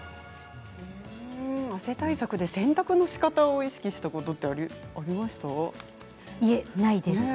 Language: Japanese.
汗対策で洗濯のしかたを意識したことありますか。